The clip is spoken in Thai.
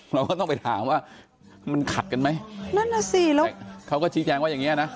เราก็ต้องไปถามว่ามันขัดกันไหมนั่นน่ะสิแล้วเขาก็ชี้แจงว่าอย่างเงี้นะ